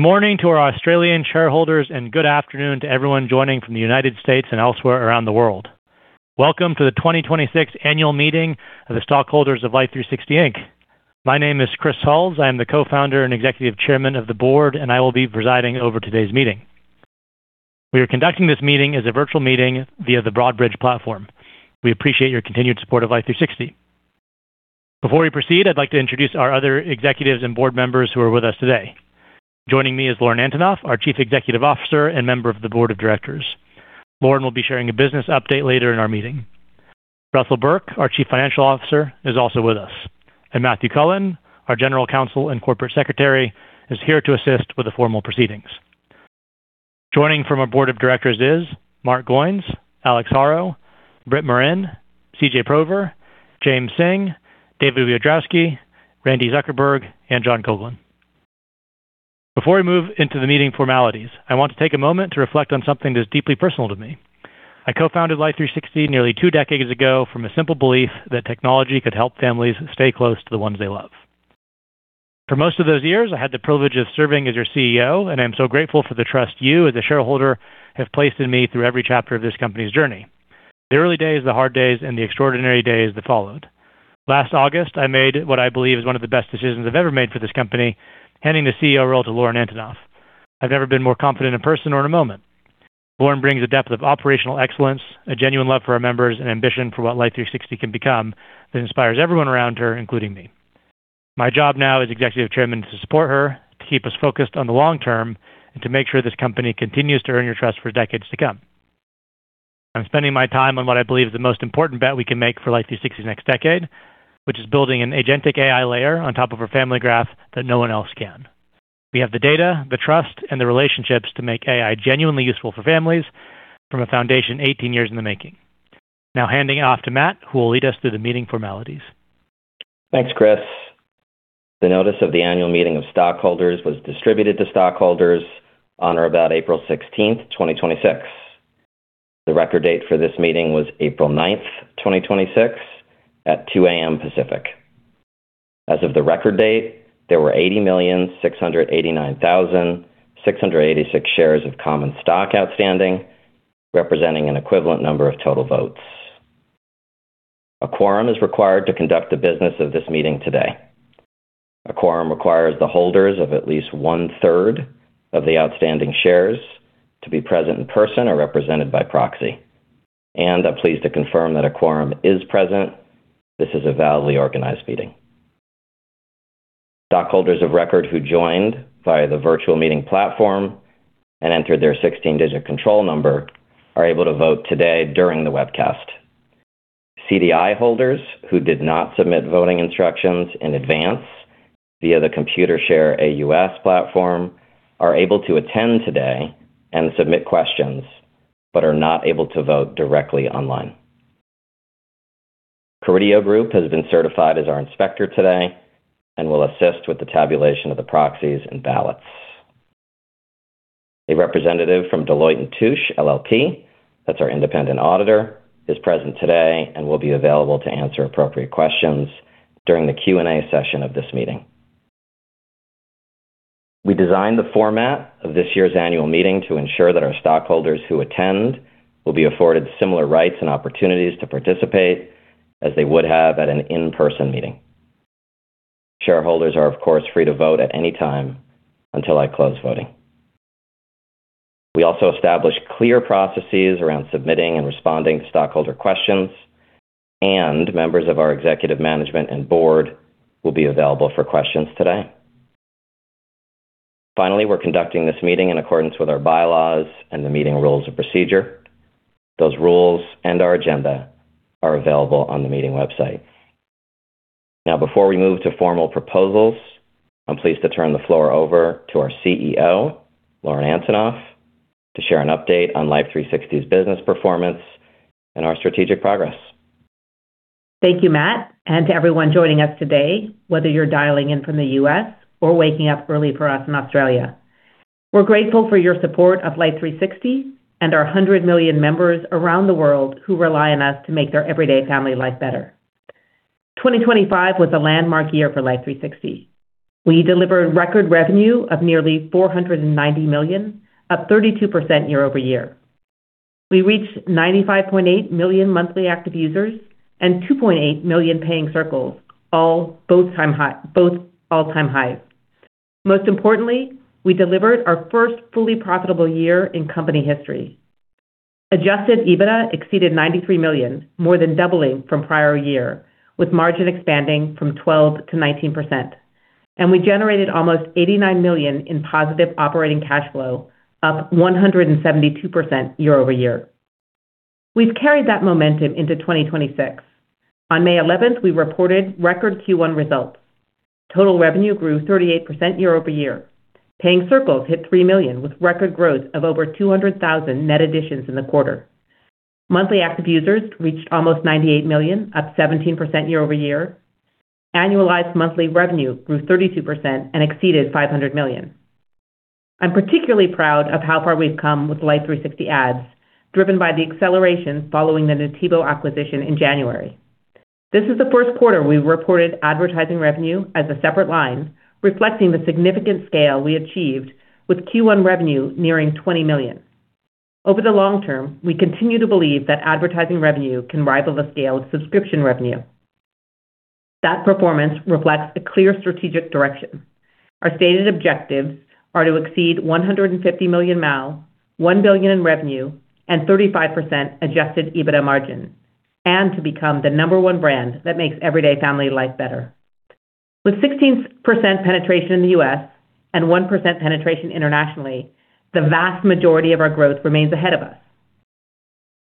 Good morning to our Australian shareholders, and good afternoon to everyone joining from the United States and elsewhere around the world. Welcome to the 2026 annual meeting of the stockholders of Life360, Inc. My name is Chris Hulls. I am the Co-founder and Executive Chairman of the Board, and I will be presiding over today's meeting. We are conducting this meeting as a virtual meeting via the Broadridge platform. We appreciate your continued support of Life360. Before we proceed, I'd like to introduce our other executives and board members who are with us today. Joining me is Lauren Antonoff, our Chief Executive Officer and Member of the Board of Directors. Lauren will be sharing a business update later in our meeting. Russell Burke, our Chief Financial Officer, is also with us. Matthew Cullen, our General Counsel and Corporate Secretary, is here to assist with the formal proceedings. Joining from our board of directors is Mark Goines, Alex Haro, Brit Morin, C.J. Prober, James Synge, David Wiadrowski, Randi Zuckerberg, and John Coghlan. Before we move into the meeting formalities, I want to take a moment to reflect on something that's deeply personal to me. I co-founded Life360 nearly two decades ago from a simple belief that technology could help families stay close to the ones they love. For most of those years, I had the privilege of serving as your CEO, and I'm so grateful for the trust you, as a shareholder, have placed in me through every chapter of this company's journey. The early days, the hard days, and the extraordinary days that followed. Last August, I made what I believe is one of the best decisions I've ever made for this company, handing the CEO role to Lauren Antonoff. I've never been more confident in a person or in a moment. Lauren brings a depth of operational excellence, a genuine love for our members, and ambition for what Life360 can become that inspires everyone around her, including me. My job now as Executive Chairman is to support her, to keep us focused on the long term, and to make sure this company continues to earn your trust for decades to come. I'm spending my time on what I believe is the most important bet we can make for Life360's next decade, which is building an Agentic AI layer on top of our Family Graph that no one else can. We have the data, the trust, and the relationships to make AI genuinely useful for families from a foundation 18 years in the making. Now handing off to Matt, who will lead us through the meeting formalities. Thanks, Chris. The notice of the annual meeting of stockholders was distributed to stockholders on or about April 16th, 2026. The record date for this meeting was April 9th, 2026, at 2:00 A.M. Pacific. As of the record date, there were 80,689,686 shares of common stock outstanding, representing an equivalent number of total votes. A quorum is required to conduct the business of this meeting today. A quorum requires the holders of at least one-third of the outstanding shares to be present in person or represented by proxy. I'm pleased to confirm that a quorum is present. This is a validly organized meeting. Stockholders of record who joined via the virtual meeting platform and entered their 16-digit control number are able to vote today during the webcast. CDI holders who did not submit voting instructions in advance via the Computershare AUS platform are able to attend today and submit questions, but are not able to vote directly online. Carideo Group has been certified as our inspector today and will assist with the tabulation of the proxies and ballots. A representative from Deloitte & Touche LLP, that's our independent auditor, is present today and will be available to answer appropriate questions during the Q&A session of this meeting. We designed the format of this year's annual meeting to ensure that our stockholders who attend will be afforded similar rights and opportunities to participate as they would have at an in-person meeting. Shareholders are, of course, free to vote at any time until I close voting. We also established clear processes around submitting and responding to stockholder questions, and members of our executive management and board will be available for questions today. Finally, we're conducting this meeting in accordance with our bylaws and the meeting rules of procedure. Those rules and our agenda are available on the meeting website. Now, before we move to formal proposals, I'm pleased to turn the floor over to our CEO, Lauren Antonoff, to share an update on Life360's business performance and our strategic progress. Thank you, Matt, and to everyone joining us today, whether you're dialing in from the U.S. or waking up early for us in Australia. We're grateful for your support of Life360 and our 100 million members around the world who rely on us to make their everyday family life better. 2025 was a landmark year for Life360. We delivered record revenue of nearly $490 million, up 32% year-over-year. We reached 95.8 million monthly active users and 2.8 million Paying Circles, both all-time high. Most importantly, we delivered our first fully profitable year in company history. Adjusted EBITDA exceeded $93 million, more than doubling from prior year, with margin expanding from 12%-19%. We generated almost $89 million in positive operating cash flow, up 172% year-over-year. We've carried that momentum into 2026. On May 11th, we reported record Q1 results. Total revenue grew 38% year-over-year. Paying Circles hit 3 million, with record growth of over 200,000 net additions in the quarter. Monthly active users reached almost 98 million, up 17% year-over-year. Annualized monthly revenue grew 32% and exceeded $500 million. I'm particularly proud of how far we've come with Life360 Ads, driven by the acceleration following the Nativo acquisition in January. This is the first quarter we reported advertising revenue as a separate line, reflecting the significant scale we achieved with Q1 revenue nearing $20 million. Over the long term, we continue to believe that advertising revenue can rival the scale of subscription revenue. That performance reflects a clear strategic direction. Our stated objectives are to exceed 150 million MAU, $1 billion in revenue, and 35% Adjusted EBITDA margin, and to become the number one brand that makes everyday family life better. With 16% penetration in the U.S. and 1% penetration internationally, the vast majority of our growth remains ahead of us.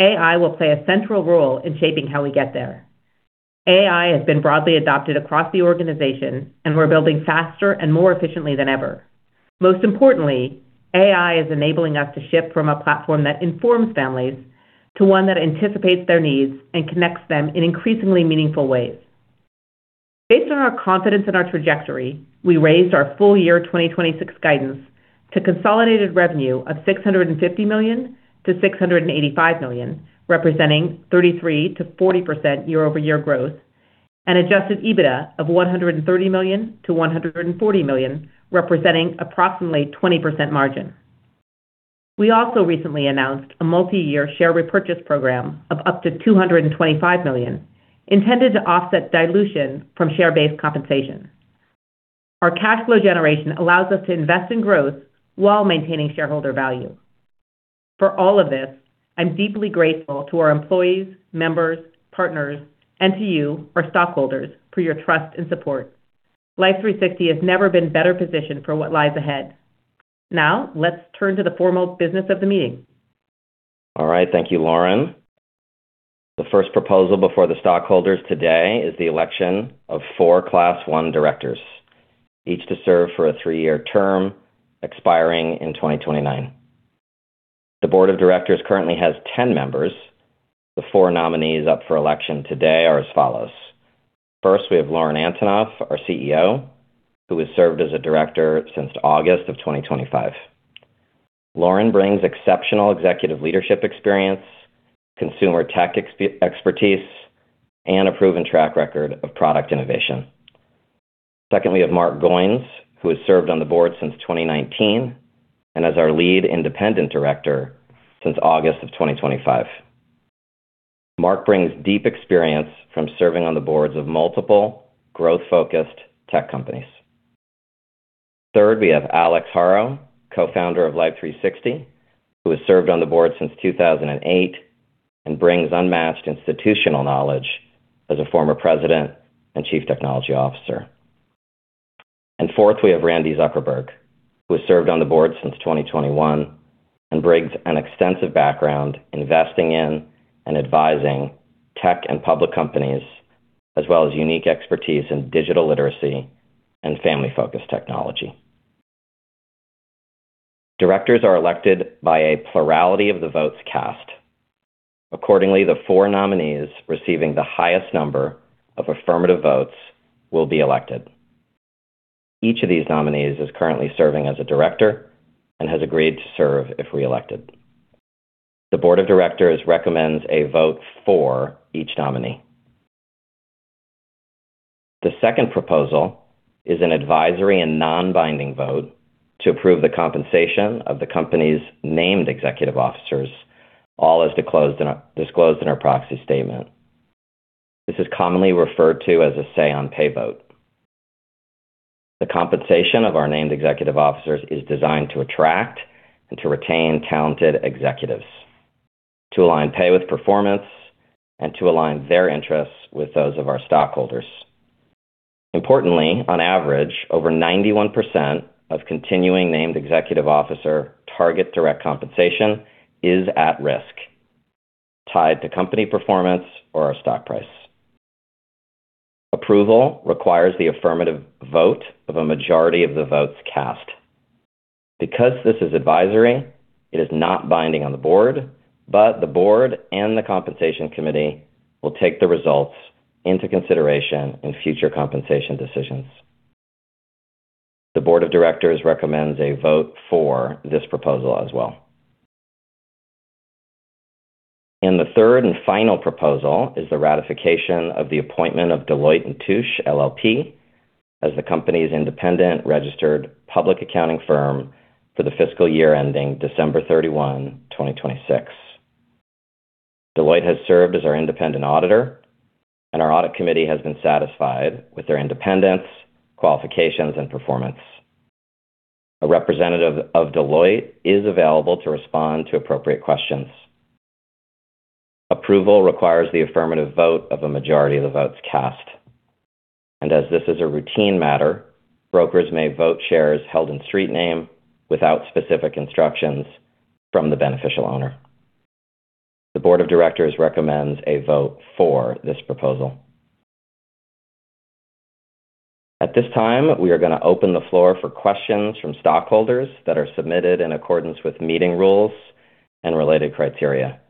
AI will play a central role in shaping how we get there. AI has been broadly adopted across the organization, and we're building faster and more efficiently than ever. Most importantly, AI is enabling us to shift from a platform that informs families to one that anticipates their needs and connects them in increasingly meaningful ways. Based on our confidence in our trajectory, we raised our full year 2026 guidance to consolidated revenue of $650 million-$685 million, representing 33%-40% year-over-year growth, and Adjusted EBITDA of $130 million-$140 million, representing approximately 20% margin. We also recently announced a multi-year share repurchase program of up to $225 million, intended to offset dilution from share-based compensation. Our cash flow generation allows us to invest in growth while maintaining shareholder value. For all of this, I'm deeply grateful to our employees, members, partners, and to you, our stockholders, for your trust and support. Life360 has never been better positioned for what lies ahead. Now, let's turn to the foremost business of the meeting. All right. Thank you, Lauren. The first proposal before the stockholders today is the election of four Class I directors, each to serve for a three-year term expiring in 2029. The board of directors currently has 10 members. The four nominees up for election today are as follows. First, we have Lauren Antonoff, our CEO, who has served as a Director since August of 2025. Lauren brings exceptional executive leadership experience, consumer tech expertise, and a proven track record of product innovation. Secondly, we have Mark Goines, who has served on the board since 2019 and as our Lead Independent Director since August of 2025. Mark brings deep experience from serving on the boards of multiple growth-focused tech companies. Third, we have Alex Haro, Co-founder of Life360, who has served on the board since 2008 and brings unmatched institutional knowledge as a former President and Chief Technology Officer. Fourth, we have Randi Zuckerberg, who has served on the board since 2021 and brings an extensive background investing in and advising tech and public companies, as well as unique expertise in digital literacy and family-focused technology. Directors are elected by a plurality of the votes cast. Accordingly, the four nominees receiving the highest number of affirmative votes will be elected. Each of these nominees is currently serving as a director and has agreed to serve if reelected. The board of directors recommends a vote for each nominee. The second proposal is an advisory and non-binding vote to approve the compensation of the company's named executive officers, all as disclosed in our proxy statement. This is commonly referred to as a say on pay vote. The compensation of our named executive officers is designed to attract and to retain talented executives, to align pay with performance, and to align their interests with those of our stockholders. Importantly, on average, over 91% of continuing named executive officer target direct compensation is at risk, tied to company performance or our stock price. Approval requires the affirmative vote of a majority of the votes cast. Because this is advisory, it is not binding on the board, but the board and the compensation committee will take the results into consideration in future compensation decisions. The board of directors recommends a vote for this proposal as well. The third and final proposal is the ratification of the appointment of Deloitte & Touche, LLP as the company's independent registered public accounting firm for the fiscal year ending December 31, 2026. Deloitte has served as our independent auditor, and our audit committee has been satisfied with their independence, qualifications, and performance. A representative of Deloitte is available to respond to appropriate questions. Approval requires the affirmative vote of a majority of the votes cast. As this is a routine matter, brokers may vote shares held in street name without specific instructions from the beneficial owner. The board of directors recommends a vote for this proposal. At this time, we are going to open the floor for questions from stockholders that are submitted in accordance with meeting rules and related criteria.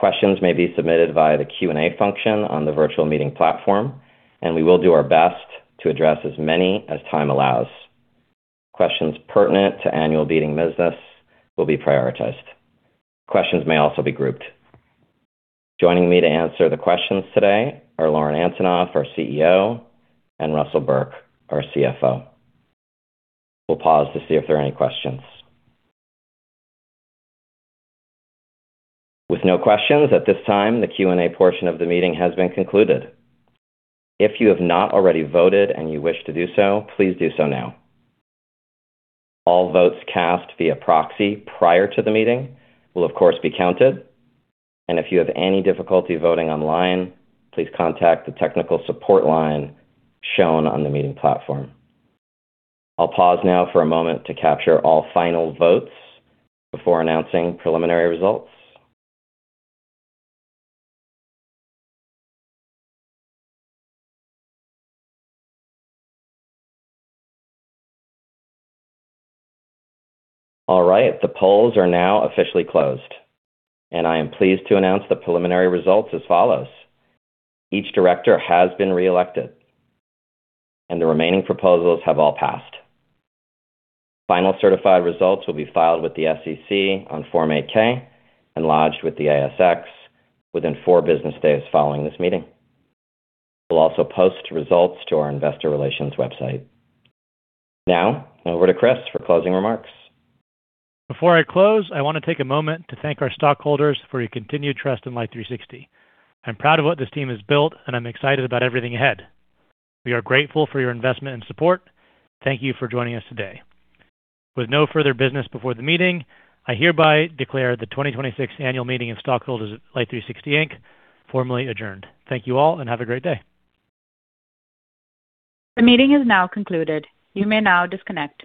Questions may be submitted via the Q&A function on the virtual meeting platform, and we will do our best to address as many as time allows. Questions pertinent to annual meeting business will be prioritized. Questions may also be grouped. Joining me to answer the questions today are Lauren Antonoff, our CEO, and Russell Burke, our CFO. We'll pause to see if there are any questions. With no questions at this time, the Q&A portion of the meeting has been concluded. If you have not already voted and you wish to do so, please do so now. All votes cast via proxy prior to the meeting will, of course, be counted. If you have any difficulty voting online, please contact the technical support line shown on the meeting platform. I'll pause now for a moment to capture all final votes before announcing preliminary results. All right. The polls are now officially closed, and I am pleased to announce the preliminary results as follows. Each director has been reelected, and the remaining proposals have all passed. Final certified results will be filed with the SEC on Form 8-K and lodged with the ASX within four business days following this meeting. We'll also post results to our investor relations website. Over to Chris for closing remarks. Before I close, I want to take a moment to thank our stockholders for your continued trust in Life360. I'm proud of what this team has built, and I'm excited about everything ahead. We are grateful for your investment and support. Thank you for joining us today. With no further business before the meeting, I hereby declare the 2026 annual meeting of stockholders at Life360, Inc formally adjourned. Thank you all, and have a great day. The meeting is now concluded. You may now disconnect.